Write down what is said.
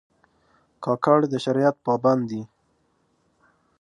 کاکړ د شریعت پابند دي.